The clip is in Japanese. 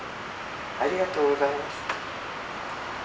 ありがとうございます。